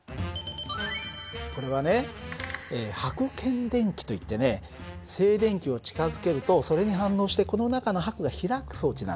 これはねはく検電器といってね静電気を近づけるとそれに反応してこの中のはくが開く装置なんだよ。